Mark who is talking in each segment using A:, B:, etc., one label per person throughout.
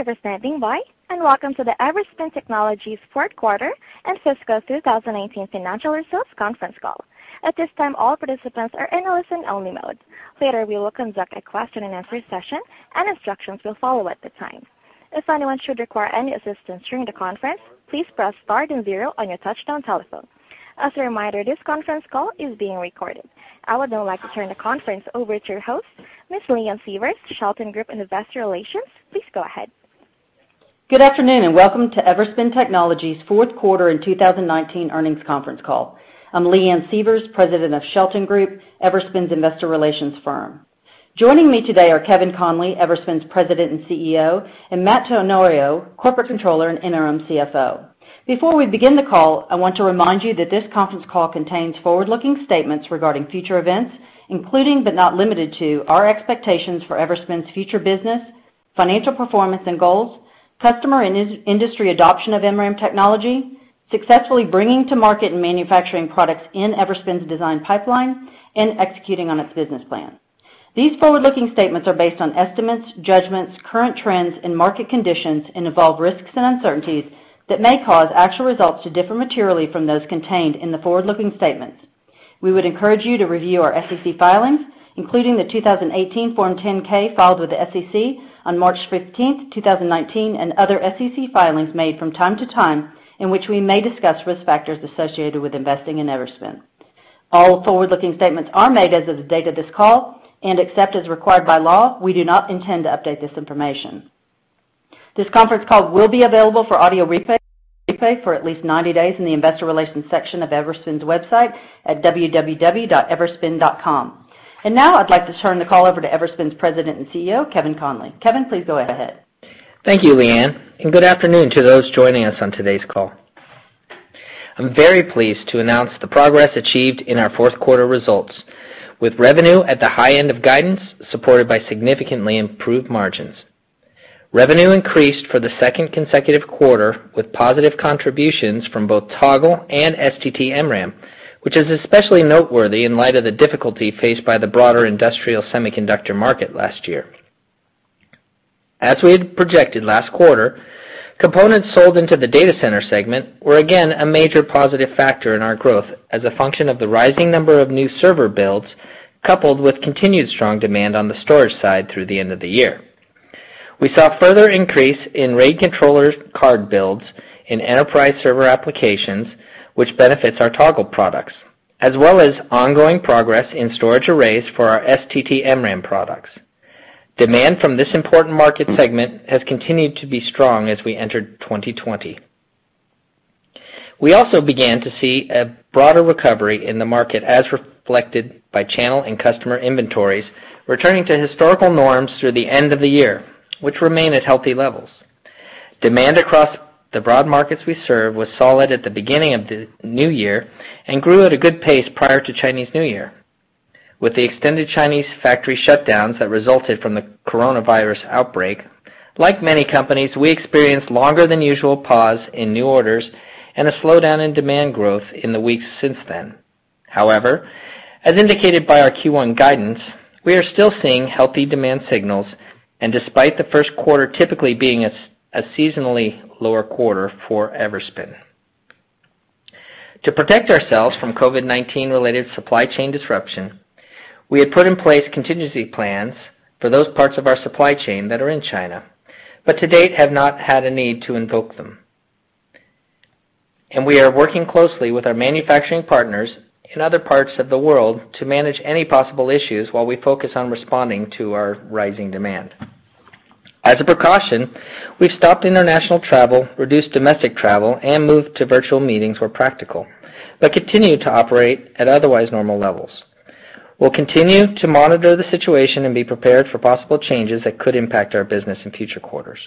A: Thank you for standing by, and welcome to the Everspin Technologies' Fourth Quarter and Fiscal 2019 Financial Results Conference Call. At this time, all participants are in a listen-only mode. Later, we will conduct a question and answer session, and instructions will follow at the time. If anyone should require any assistance during the conference, please press star and zero on your touch-tone telephone. As a reminder, this conference call is being recorded. I would now like to turn the conference over to your host, Ms. Leanne Sievers, Shelton Group Investor Relations. Please go ahead.
B: Good afternoon, and welcome to Everspin Technologies' fourth quarter in 2019 earnings conference call. I'm Leanne Sievers, President of Shelton Group, Everspin's investor relations firm. Joining me today are Kevin Conley, Everspin's President and CEO, and Matt Tenorio, Corporate Controller and Interim CFO. Before we begin the call, I want to remind you that this conference call contains forward-looking statements regarding future events, including, but not limited to, our expectations for Everspin's future business, financial performance and goals, customer and industry adoption of MRAM technology, successfully bringing to market and manufacturing products in Everspin's design pipeline, and executing on its business plan. These forward-looking statements are based on estimates, judgments, current trends, and market conditions and involve risks and uncertainties that may cause actual results to differ materially from those contained in the forward-looking statements. We would encourage you to review our SEC filings, including the 2018 Form 10-K filed with the SEC on March 15th, 2019, and other SEC filings made from time to time, in which we may discuss risk factors associated with investing in Everspin. All forward-looking statements are made as of the date of this call. Except as required by law, we do not intend to update this information. This conference call will be available for audio replay for at least 90 days in the investor relations section of Everspin's website at www.everspin.com. Now I'd like to turn the call over to Everspin's President and CEO, Kevin Conley. Kevin, please go ahead.
C: Thank you, Leanne, and good afternoon to those joining us on today's call. I'm very pleased to announce the progress achieved in our fourth quarter results, with revenue at the high end of guidance supported by significantly improved margins. Revenue increased for the second consecutive quarter with positive contributions from both Toggle and STT-MRAM, which is especially noteworthy in light of the difficulty faced by the broader industrial semiconductor market last year. As we had projected last quarter, components sold into the data center segment were again a major positive factor in our growth as a function of the rising number of new server builds, coupled with continued strong demand on the storage side through the end of the year. We saw a further increase in RAID controllers card builds in enterprise server applications, which benefits our Toggle products, as well as ongoing progress in storage arrays for our STT-MRAM products. Demand from this important market segment has continued to be strong as we entered 2020. We also began to see a broader recovery in the market, as reflected by channel and customer inventories returning to historical norms through the end of the year, which remain at healthy levels. Demand across the broad markets we serve was solid at the beginning of the new year and grew at a good pace prior to Chinese New Year. With the extended Chinese factory shutdowns that resulted from the coronavirus outbreak, like many companies, we experienced longer than usual pause in new orders and a slowdown in demand growth in the weeks since then. However, as indicated by our Q1 guidance, we are still seeing healthy demand signals and despite the first quarter typically being a seasonally lower quarter for Everspin. To protect ourselves from COVID-19 related supply chain disruption, we had put in place contingency plans for those parts of our supply chain that are in China, but to date have not had a need to invoke them. We are working closely with our manufacturing partners in other parts of the world to manage any possible issues while we focus on responding to our rising demand. As a precaution, we've stopped international travel, reduced domestic travel, and moved to virtual meetings where practical, but continue to operate at otherwise normal levels. We'll continue to monitor the situation and be prepared for possible changes that could impact our business in future quarters.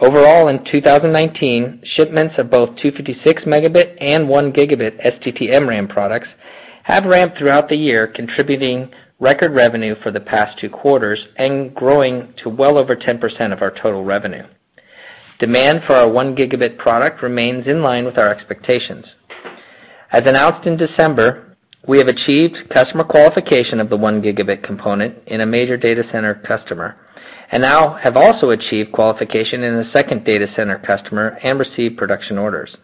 C: Overall, in 2019, shipments of both 256 Mb and 1 Gb STT-MRAM products have ramped throughout the year, contributing record revenue for the past two quarters and growing to well over 10% of our total revenue. Demand for our 1 Gb product remains in line with our expectations. As announced in December, we have achieved customer qualification of the 1 Gb component in a major data center customer and now have also achieved qualification in a second data center customer and received production orders.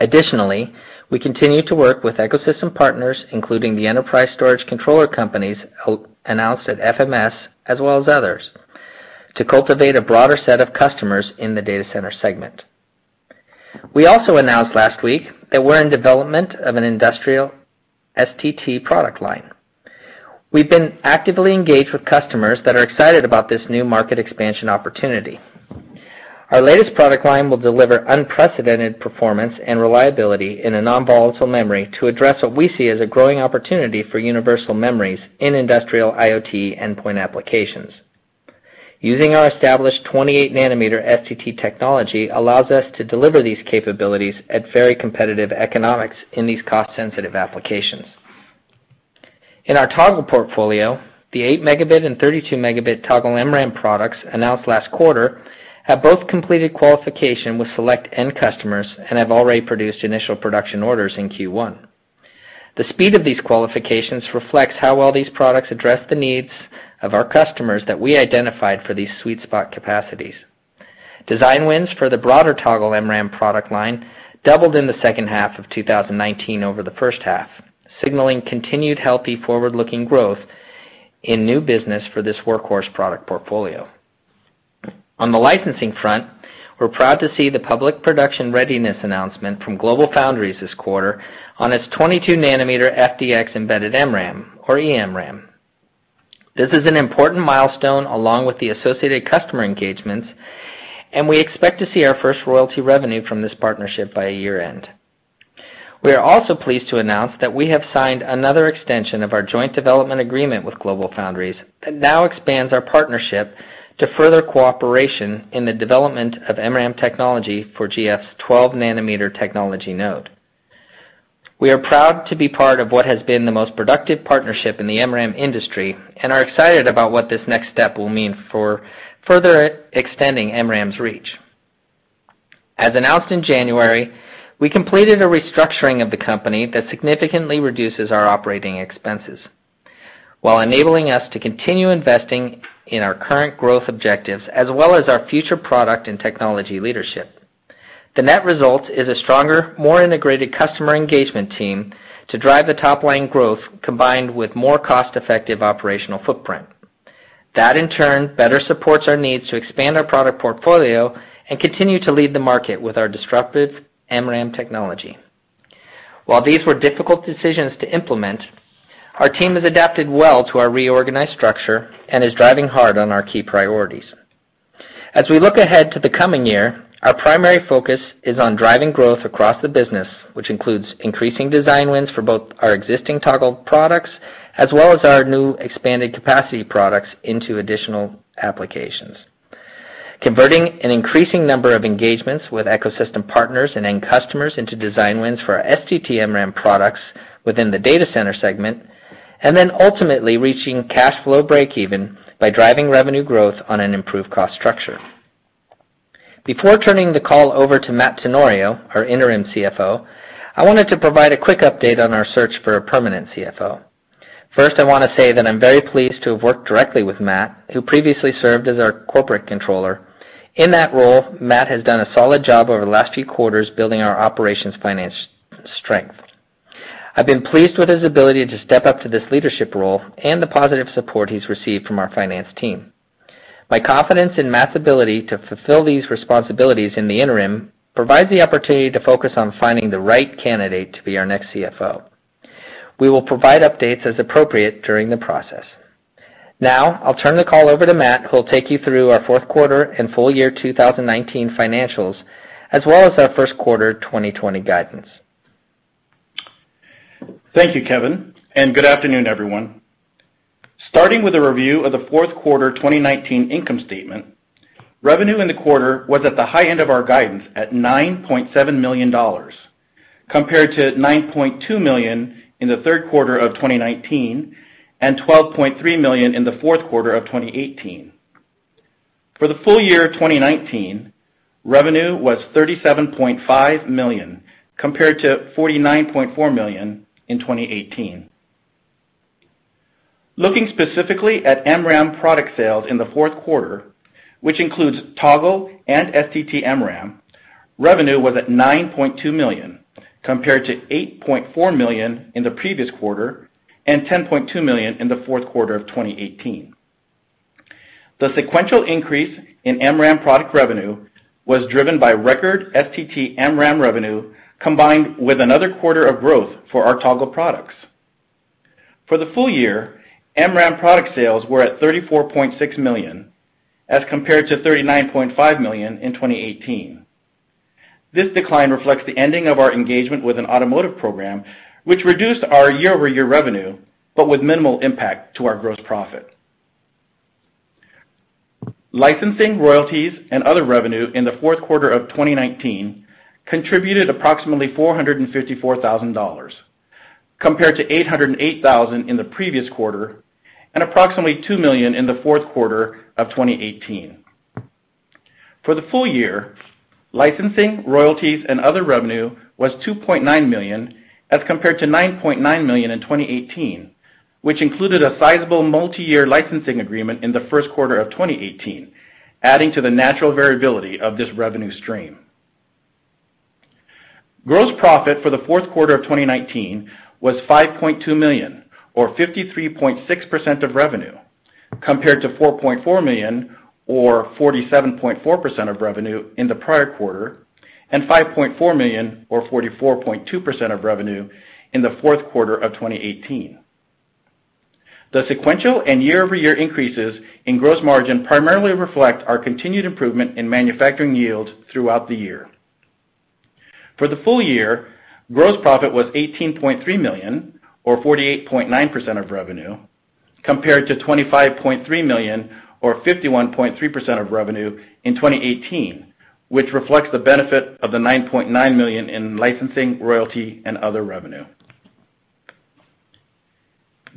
C: Additionally, we continue to work with ecosystem partners, including the enterprise storage controller companies announced at FMS as well as others, to cultivate a broader set of customers in the data center segment. We also announced last week that we're in development of an industrial STT product line. We've been actively engaged with customers that are excited about this new market expansion opportunity. Our latest product line will deliver unprecedented performance and reliability in a non-volatile memory to address what we see as a growing opportunity for universal memories in industrial IoT endpoint applications. Using our established 28 nm STT technology allows us to deliver these capabilities at very competitive economics in these cost-sensitive applications. In our Toggle portfolio, the 8 Mb and 32 Mb Toggle MRAM products announced last quarter have both completed qualification with select end customers and have already produced initial production orders in Q1. The speed of these qualifications reflects how well these products address the needs of our customers that we identified for these sweet spot capacities. Design wins for the broader Toggle MRAM product line doubled in the second half of 2019 over the first half, signaling continued healthy forward-looking growth in new business for this workhorse product portfolio. On the licensing front, we're proud to see the public production readiness announcement from GlobalFoundries this quarter on its 22 nm FDX embedded MRAM, or eMRAM. This is an important milestone along with the associated customer engagements, and we expect to see our first royalty revenue from this partnership by year-end. We are also pleased to announce that we have signed another extension of our joint development agreement with GlobalFoundries, that now expands our partnership to further cooperation in the development of MRAM technology for GF's 12 nm technology node. We are proud to be part of what has been the most productive partnership in the MRAM industry and are excited about what this next step will mean for further extending MRAM's reach. As announced in January, we completed a restructuring of the company that significantly reduces our operating expenses while enabling us to continue investing in our current growth objectives, as well as our future product and technology leadership. The net result is a stronger, more integrated customer engagement team to drive the top-line growth, combined with more cost-effective operational footprint. That, in turn, better supports our needs to expand our product portfolio and continue to lead the market with our disruptive MRAM technology. While these were difficult decisions to implement, our team has adapted well to our reorganized structure and is driving hard on our key priorities. As we look ahead to the coming year, our primary focus is on driving growth across the business, which includes increasing design wins for both our existing Toggle products as well as our new expanded capacity products into additional applications. Converting an increasing number of engagements with ecosystem partners and end customers into design wins for our STT-MRAM products within the data center segment, and then ultimately reaching cash flow breakeven by driving revenue growth on an improved cost structure. Before turning the call over to Matt Tenorio, our Interim CFO, I wanted to provide a quick update on our search for a permanent CFO. First, I want to say that I'm very pleased to have worked directly with Matt, who previously served as our Corporate Controller. In that role, Matt has done a solid job over the last few quarters building our operations finance strength. I've been pleased with his ability to step up to this leadership role and the positive support he's received from our finance team. My confidence in Matt's ability to fulfill these responsibilities in the interim provides the opportunity to focus on finding the right candidate to be our next CFO. We will provide updates as appropriate during the process. Now, I'll turn the call over to Matt, who will take you through our fourth quarter and full year 2019 financials, as well as our first quarter 2020 guidance.
D: Thank you, Kevin. Good afternoon, everyone. Starting with a review of the fourth quarter 2019 income statement, revenue in the quarter was at the high end of our guidance at $9.7 million, compared to $9.2 million in the third quarter of 2019 and $12.3 million in the fourth quarter of 2018. For the full year 2019, revenue was $37.5 million, compared to $49.4 million in 2018. Looking specifically at MRAM product sales in the fourth quarter, which includes Toggle and STT-MRAM, revenue was at $9.2 million, compared to $8.4 million in the previous quarter and $10.2 million in the fourth quarter of 2018. The sequential increase in MRAM product revenue was driven by record STT-MRAM revenue, combined with another quarter of growth for our Toggle products. For the full year, MRAM product sales were at $34.6 million as compared to $39.5 million in 2018. This decline reflects the ending of our engagement with an automotive program, which reduced our year-over-year revenue, but with minimal impact to our gross profit. Licensing, royalties, and other revenue in the fourth quarter of 2019 contributed approximately $454,000, compared to $808,000 in the previous quarter, and approximately $2 million in the fourth quarter of 2018. For the full year, licensing, royalties, and other revenue was $2.9 million as compared to $9.9 million in 2018, which included a sizable multi-year licensing agreement in the first quarter of 2018, adding to the natural variability of this revenue stream. Gross profit for the fourth quarter of 2019 was $5.2 million or 53.6% of revenue, compared to $4.4 million or 47.4% of revenue in the prior quarter, and $5.4 million or 44.2% of revenue in the fourth quarter of 2018. The sequential and year-over-year increases in gross margin primarily reflect our continued improvement in manufacturing yield throughout the year. For the full year, gross profit was $18.3 million or 48.9% of revenue, compared to $25.3 million or 51.3% of revenue in 2018, which reflects the benefit of the $9.9 million in licensing, royalty, and other revenue.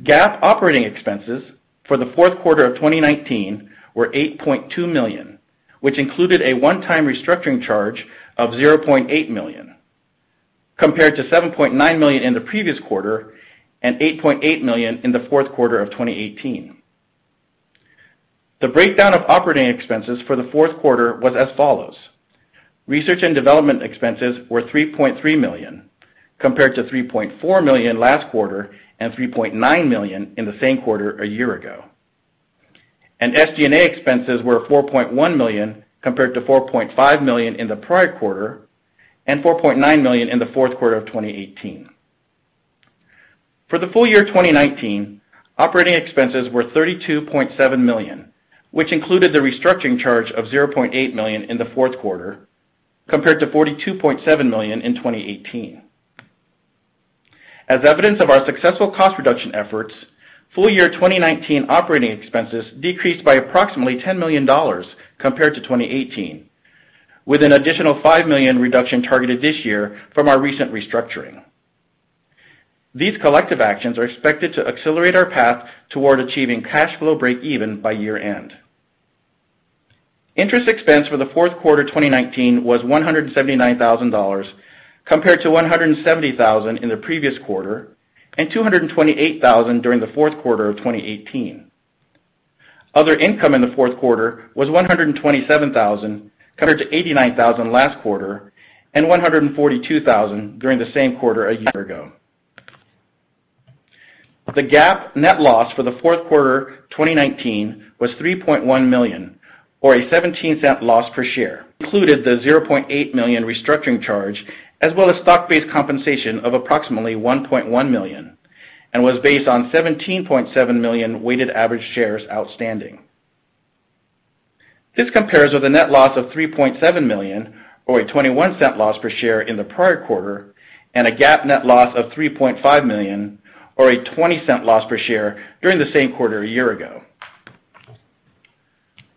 D: GAAP operating expenses for the fourth quarter of 2019 were $8.2 million, which included a one-time restructuring charge of $0.8 million, compared to $7.9 million in the previous quarter and $8.8 million in the fourth quarter of 2018. The breakdown of operating expenses for the fourth quarter was as follows: research and development expenses were $3.3 million, compared to $3.4 million last quarter and $3.9 million in the same quarter a year ago. SG&A expenses were $4.1 million, compared to $4.5 million in the prior quarter and $4.9 million in the fourth quarter of 2018. For the full year 2019, operating expenses were $32.7 million, which included the restructuring charge of $0.8 million in the fourth quarter, compared to $42.7 million in 2018. As evidence of our successful cost reduction efforts, full year 2019 operating expenses decreased by approximately $10 million compared to 2018, with an additional $5 million reduction targeted this year from our recent restructuring. These collective actions are expected to accelerate our path toward achieving cash flow breakeven by year-end. Interest expense for the fourth quarter 2019 was $179,000, compared to $170,000 in the previous quarter and $228,000 during the fourth quarter of 2018. Other income in the fourth quarter was $127,000, compared to $89,000 last quarter and $142,000 during the same quarter a year ago. The GAAP net loss for the fourth quarter 2019 was $3.1 million or a $0.17 loss per share. Included the $0.8 million restructuring charge as well as stock-based compensation of approximately $1.1 million and was based on 17.7 million weighted average shares outstanding. This compares with a net loss of $3.7 million or a $0.21 loss per share in the prior quarter, and a GAAP net loss of $3.5 million or a $0.20 loss per share during the same quarter a year ago.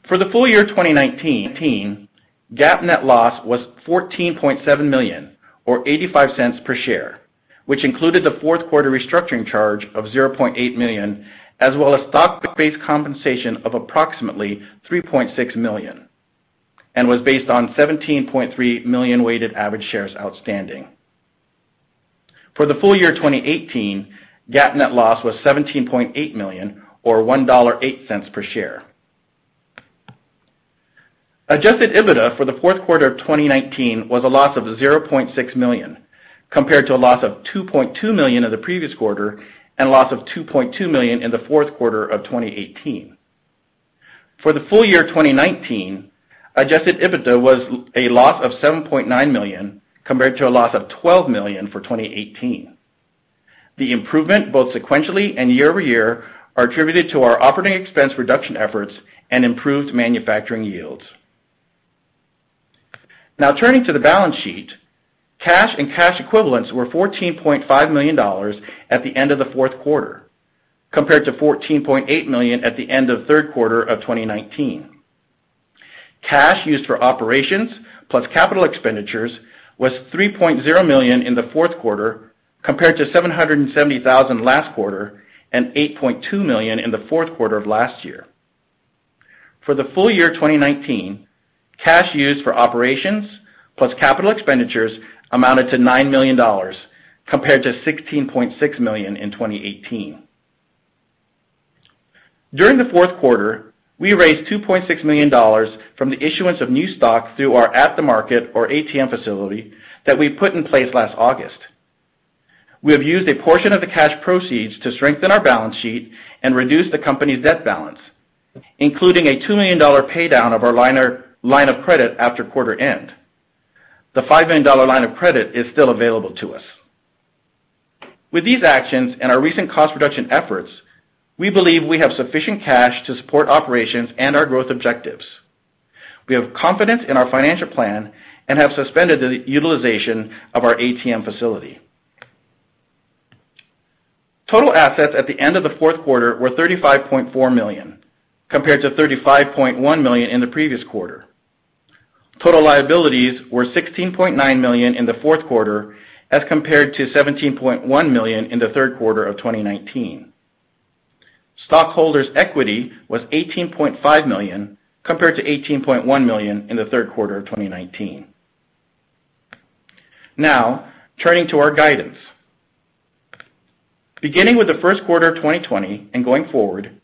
D: For the full year 2019, GAAP net loss was $14.7 million, or $0.85 per share, which included the fourth quarter restructuring charge of $0.8 million, as well as stock-based compensation of approximately $3.6 million and was based on 17.3 million weighted average shares outstanding. For the full year 2018, GAAP net loss was $17.8 million or $1.08 per share. Adjusted EBITDA for the fourth quarter of 2019 was a loss of $0.6 million, compared to a loss of $2.2 million in the previous quarter and a loss of $2.2 million in the fourth quarter of 2018. For the full year 2019, adjusted EBITDA was a loss of $7.9 million, compared to a loss of $12 million for 2018. The improvement, both sequentially and year-over-year, are attributed to our operating expense reduction efforts and improved manufacturing yields. Now turning to the balance sheet. Cash and cash equivalents were $14.5 million at the end of the fourth quarter, compared to $14.8 million at the end of the third quarter of 2019. Cash used for operations plus capital expenditures was $3.0 million in the fourth quarter, compared to $770,000 last quarter and $8.2 million in the fourth quarter of last year. For the full year 2019, cash used for operations plus capital expenditures amounted to $9 million, compared to $16.6 million in 2018. During the fourth quarter, we raised $2.6 million from the issuance of new stock through our At the Market, or ATM, facility that we put in place last August. We have used a portion of the cash proceeds to strengthen our balance sheet and reduce the company's debt balance, including a $2 million paydown of our line of credit after quarter end. The $5 million line of credit is still available to us. With these actions and our recent cost reduction efforts, we believe we have sufficient cash to support operations and our growth objectives. We have confidence in our financial plan and have suspended the utilization of our ATM facility. Total assets at the end of the fourth quarter were $35.4 million, compared to $35.1 million in the previous quarter. Total liabilities were $16.9 million in the fourth quarter as compared to $17.1 million in the third quarter of 2019. Stockholders' equity was $18.5 million, compared to $18.1 million in the third quarter of 2019. Now, turning to our guidance. Beginning with the first quarter of 2020 and going forward,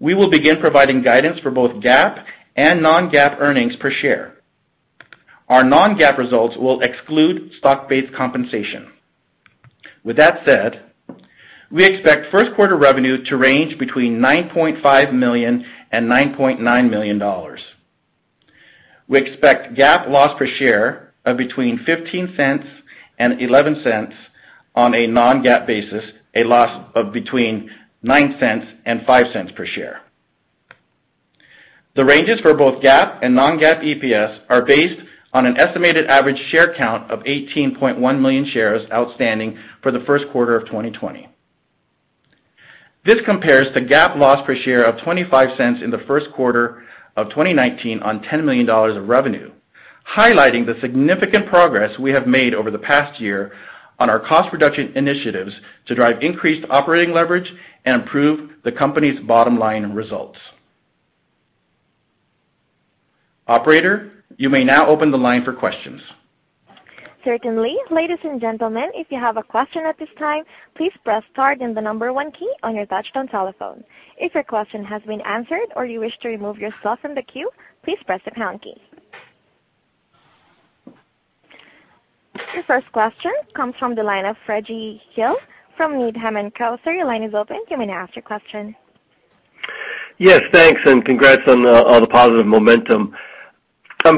D: we will begin providing guidance for both GAAP and non-GAAP earnings per share. Our non-GAAP results will exclude stock-based compensation. With that said, we expect first quarter revenue to range between $9.5 million and $9.9 million. We expect GAAP loss per share of between $0.15 and $0.11 on a non-GAAP basis, a loss of between $0.09 and $0.05 per share. The ranges for both GAAP and non-GAAP EPS are based on an estimated average share count of 18.1 million shares outstanding for the first quarter of 2020. This compares to GAAP loss per share of $0.25 in the first quarter of 2019 on $10 million of revenue. highlighting the significant progress we have made over the past year on our cost reduction initiatives to drive increased operating leverage and improve the company's bottom line results. Operator, you may now open the line for questions.
A: Certainly. Ladies and gentlemen, if you have a question at this time, please press star then the number one key on your touchtone telephone. If your question has been answered or you wish to remove yourself from the queue, please press the pound key. Your first question comes from the line of Raji Gill from Needham & Co. Sir, your line is open. You may ask your question.
E: Yes, thanks, congrats on all the positive momentum.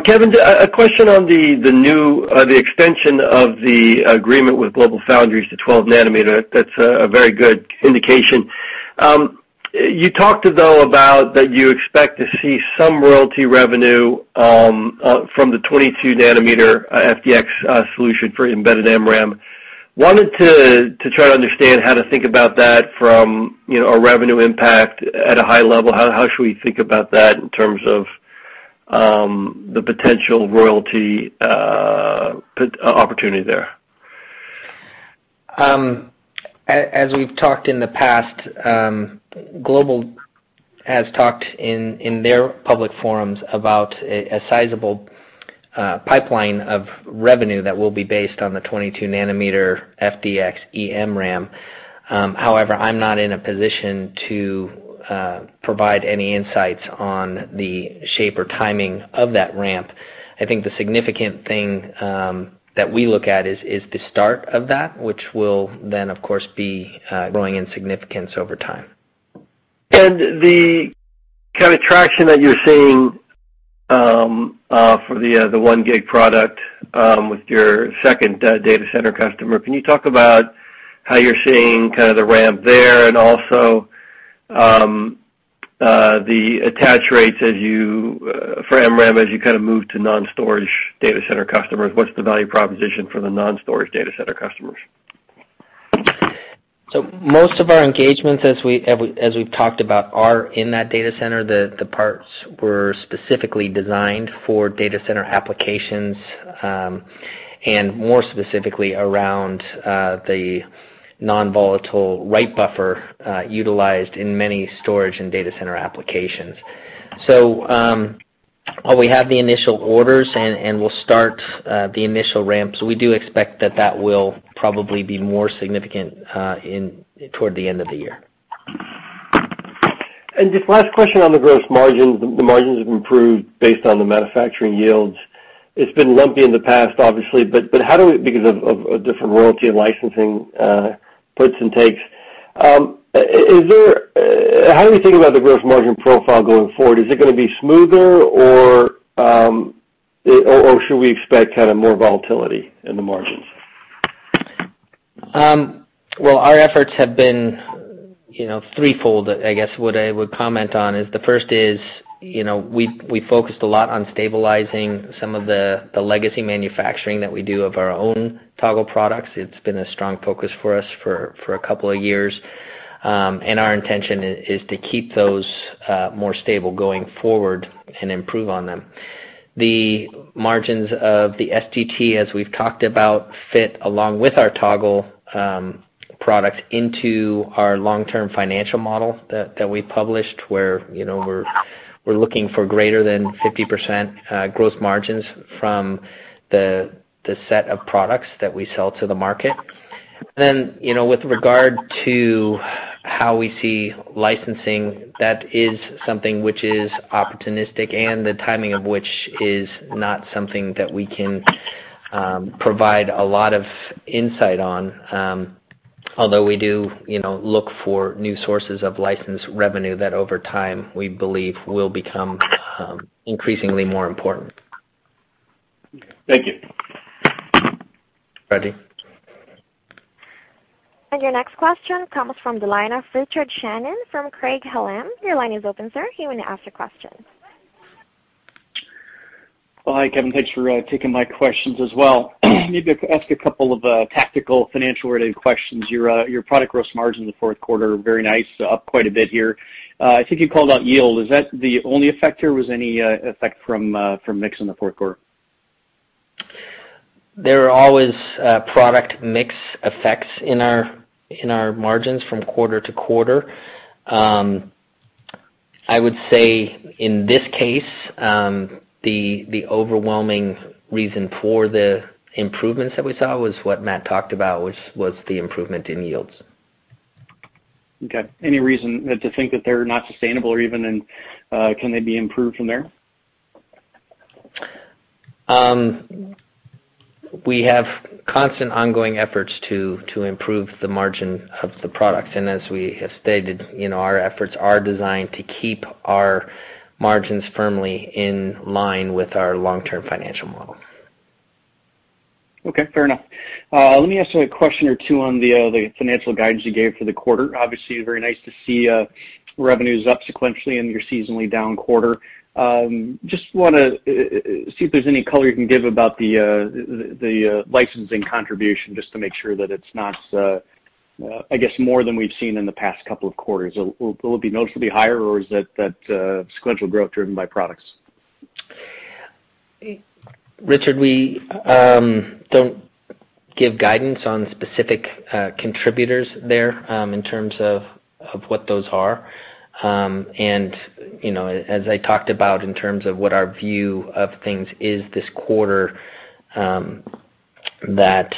E: Kevin, a question on the extension of the agreement with GlobalFoundries to 12 nm. That's a very good indication. You talked, though, about that you expect to see some royalty revenue from the 22 nm FDX solution for Embedded MRAM. I wanted to try to understand how to think about that from a revenue impact at a high level. How should we think about that in terms of the potential royalty opportunity there?
C: As we've talked in the past, Global has talked in their public forums about a sizable pipeline of revenue that will be based on the 22 nm FDX eMRAM. However, I'm not in a position to provide any insights on the shape or timing of that ramp. I think the significant thing that we look at is the start of that, which will then, of course, be growing in significance over time.
E: The kind of traction that you're seeing for the 1 gig product with your second data center customer, can you talk about how you're seeing kind of the ramp there and also the attach rates for MRAM as you kind of move to non-storage data center customers? What's the value proposition for the non-storage data center customers?
C: Most of our engagements, as we've talked about, are in that data center. The parts were specifically designed for data center applications, and more specifically, around the non-volatile write buffer utilized in many storage and data center applications. While we have the initial orders and we'll start the initial ramps, we do expect that that will probably be more significant toward the end of the year.
E: Just last question on the gross margins. The margins have improved based on the manufacturing yields. It's been lumpy in the past, obviously, because of different royalty and licensing puts and takes. How are you thinking about the gross margin profile going forward? Is it going to be smoother, or should we expect kind of more volatility in the margins?
C: Well, our efforts have been threefold, I guess, what I would comment on. The first is, we focused a lot on stabilizing some of the legacy manufacturing that we do of our own Toggle products. It's been a strong focus for us for a couple of years. Our intention is to keep those more stable going forward and improve on them. The margins of the STT, as we've talked about, fit along with our Toggle product into our long-term financial model that we published, where we're looking for greater than 50% gross margins from the set of products that we sell to the market. With regard to how we see licensing, that is something which is opportunistic and the timing of which is not something that we can provide a lot of insight on, although we do look for new sources of license revenue that over time we believe will become increasingly more important.
E: Thank you.
C: Raji.
A: Your next question comes from the line of Richard Shannon from Craig-Hallum. Your line is open, sir. You may ask your question.
F: Hi, Kevin. Thanks for taking my questions as well. I need to ask a couple of tactical financial-related questions. Your product gross margin in the fourth quarter, very nice, up quite a bit here. I think you called out yield. Is that the only effect, or was any effect from mix in the fourth quarter?
C: There are always product mix effects in our margins from quarter to quarter. I would say in this case, the overwhelming reason for the improvements that we saw was what Matt talked about, which was the improvement in yields.
F: Okay. Any reason to think that they're not sustainable, or even can they be improved from there?
C: We have constant ongoing efforts to improve the margin of the products. As we have stated, our efforts are designed to keep our margins firmly in line with our long-term financial model.
F: Okay, fair enough. Let me ask you a question or two on the financial guidance you gave for the quarter. Obviously, very nice to see revenues up sequentially in your seasonally down quarter. Just want to see if there's any color you can give about the licensing contribution, just to make sure that it's not I guess more than we've seen in the past couple of quarters. Will it be noticeably higher, or is that sequential growth driven by products?
C: Richard, we don't give guidance on specific contributors there, in terms of what those are. As I talked about in terms of what our view of things is this quarter, that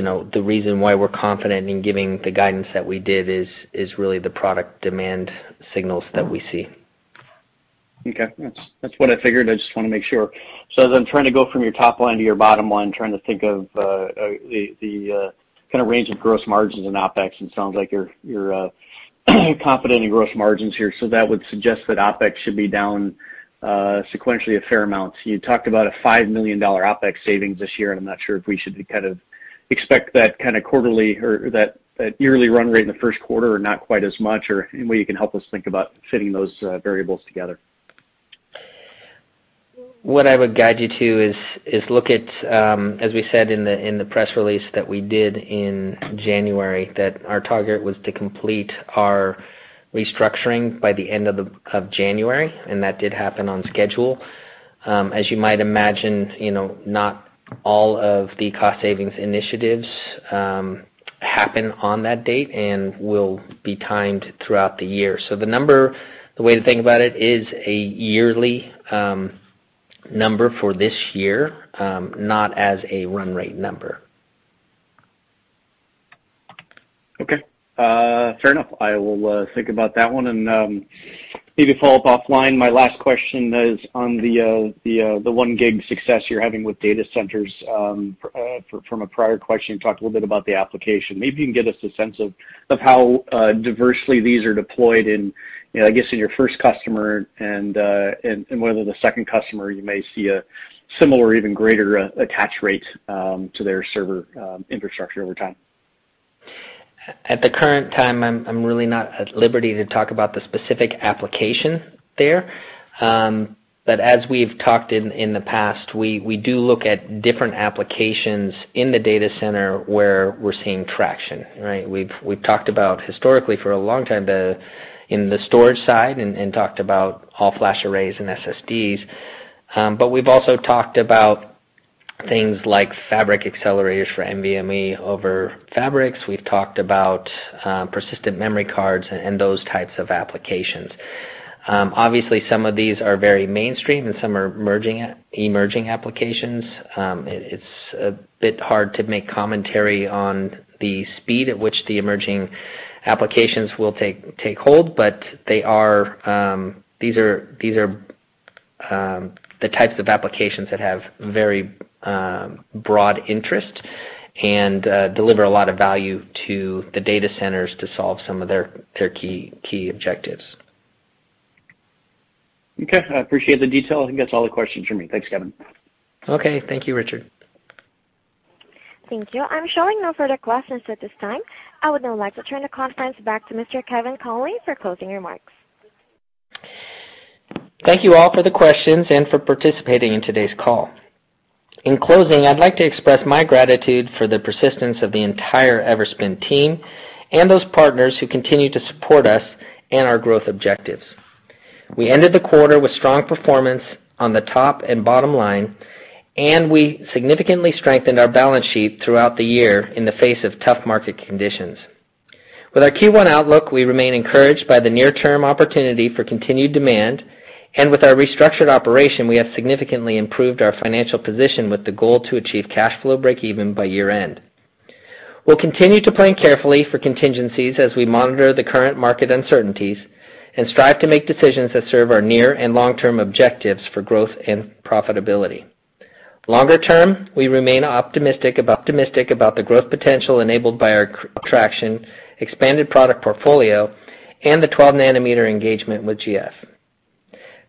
C: the reason why we're confident in giving the guidance that we did is really the product demand signals that we see.
F: Okay. That's what I figured. I just want to make sure. As I'm trying to go from your top line to your bottom line, trying to think of the kind of range of gross margins and OpEx, it sounds like you're confident in gross margins here, so that would suggest that OpEx should be down sequentially a fair amount. You talked about a $5 million OpEx saving this year, and I'm not sure if we should kind of expect that kind of quarterly or that yearly run rate in the first quarter or not quite as much, or any way you can help us think about fitting those variables together.
C: What I would guide you to is look at, as we said in the press release that we did in January, that our target was to complete our restructuring by the end of January, and that did happen on schedule. As you might imagine, not all of the cost savings initiatives happen on that date and will be timed throughout the year. The number, the way to think about it, is a yearly number for this year, not as a run rate number.
F: Okay. Fair enough. I will think about that one and maybe follow up offline. My last question is on the one gig success you're having with data centers. From a prior question, you talked a little bit about the application. Maybe you can give us a sense of how diversely these are deployed in, I guess, in your first customer and whether the second customer, you may see a similar or even greater attach rate to their server infrastructure over time.
C: At the current time, I'm really not at liberty to talk about the specific application there. As we've talked in the past, we do look at different applications in the data center where we're seeing traction, right? We've talked about historically for a long time in the storage side and talked about all-flash arrays and SSDs. We've also talked about things like fabric accelerators for NVMe over fabrics. We've talked about persistent memory cards and those types of applications. Obviously, some of these are very mainstream and some are emerging applications. It's a bit hard to make commentary on the speed at which the emerging applications will take hold, but these are the types of applications that have very broad interest and deliver a lot of value to the data centers to solve some of their key objectives.
F: Okay. I appreciate the detail. I think that's all the questions for me. Thanks, Kevin.
C: Okay. Thank you, Richard.
A: Thank you. I'm showing no further questions at this time. I would now like to turn the conference back to Mr. Kevin Conley for closing remarks.
C: Thank you all for the questions and for participating in today's call. In closing, I'd like to express my gratitude for the persistence of the entire Everspin team and those partners who continue to support us and our growth objectives. We ended the quarter with strong performance on the top and bottom line, and we significantly strengthened our balance sheet throughout the year in the face of tough market conditions. With our Q1 outlook, we remain encouraged by the near-term opportunity for continued demand, and with our restructured operation, we have significantly improved our financial position with the goal to achieve cash flow breakeven by year-end. We'll continue to plan carefully for contingencies as we monitor the current market uncertainties and strive to make decisions that serve our near and long-term objectives for growth and profitability. Longer term, we remain optimistic about the growth potential enabled by our traction, expanded product portfolio, and the 12-nm engagement with GF.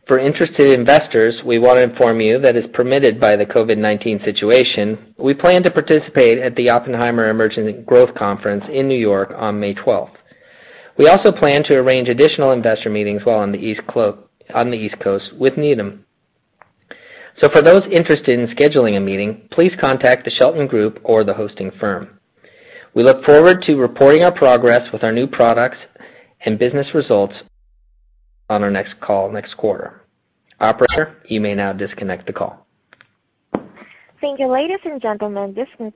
C: For interested investors, we want to inform you that as permitted by the COVID-19 situation, we plan to participate at the Oppenheimer Emerging Growth Conference in New York on May 12th. We also plan to arrange additional investor meetings while on the East Coast with Needham. For those interested in scheduling a meeting, please contact the Shelton Group or the hosting firm. We look forward to reporting our progress with our new products and business results on our next call next quarter. Operator, you may now disconnect the call.
A: Thank you, ladies and gentlemen. This concludes